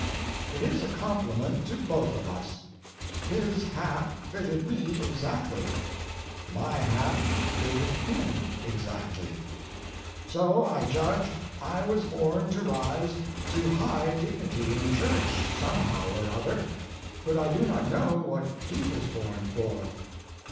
It is a compliment to both of us. His hat fitted me exactly; my hat fitted him exactly. So I judge I was born to rise to high dignity in the Church some how or other, but I do not know what he was born for.